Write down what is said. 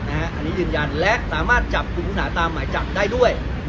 อันนี้ยืนยันและสามารถจับกลุ่มผู้ต้องหาตามหมายจับได้ด้วย